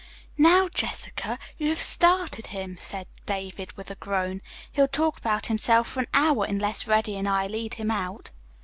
"Now Jessica, you have started him," said David with a groan. "He'll talk about himself for an hour unless Reddy and I lead him out."